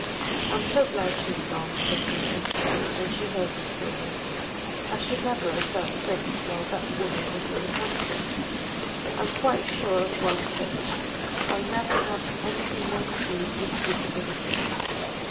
"I am so glad she has gone," said Mary, when she heard the story. "I should never have felt safe while that woman was in the country. I'm quite sure of one thing. I'll never have anything more to do with disabilities.